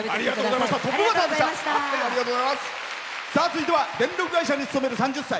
続いては電力会社に勤める３０歳。